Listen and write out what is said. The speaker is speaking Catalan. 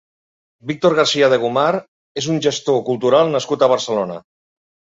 Víctor García de Gomar és un gestor cultural nascut a Barcelona.